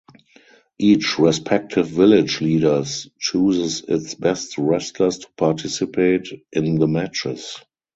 Each respective village leaders chooses its best wrestlers to participate in the matches.